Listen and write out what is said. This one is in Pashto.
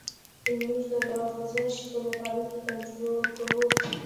موږ د لغزش په مقابل کې کنټرول کوو